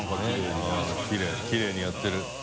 きれいにやってる。